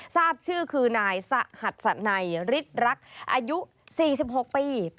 ทราบชื่อคือนายสหัสสนัยฤทธิ์รักอายุ๔๖ปี